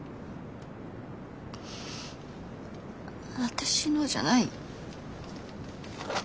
私のじゃない。